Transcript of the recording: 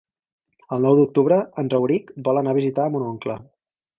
El nou d'octubre en Rauric vol anar a visitar mon oncle.